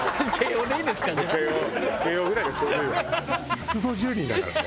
１５０人だからね